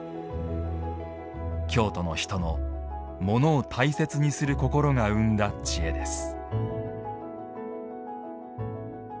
京都の人のものを大切にする心が生んだ知恵です。